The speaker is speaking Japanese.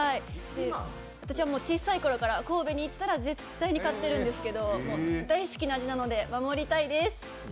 私は小さい頃から神戸に行ったら絶対に買ってるんですけど大好きな味なので守りたいです！